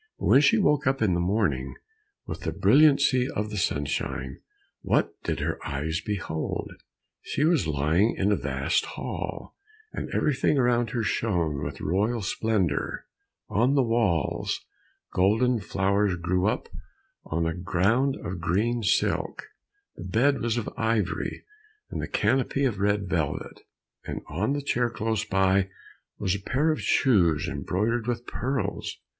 But when she woke up in the morning with the brilliancy of the sunshine, what did her eyes behold? She was lying in a vast hall, and everything around her shone with royal splendor; on the walls, golden flowers grew up on a ground of green silk, the bed was of ivory, and the canopy of red velvet, and on a chair close by, was a pair of shoes embroidered with pearls.